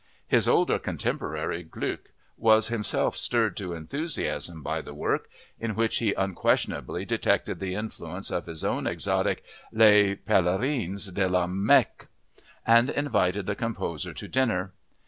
His older contemporary, Gluck, was himself stirred to enthusiasm by the work (in which he unquestionably detected the influence of his own exotic Les Pèlerins de la Mecque) and invited the composer to dinner.